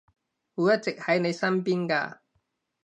會一直喺你身邊㗎